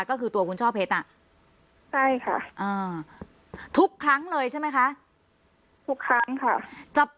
ก็คือตัวคุณช่อเพชรอ่ะใช่ค่ะทุกครั้งเลยใช่ไหมคะทุกครั้งค่ะ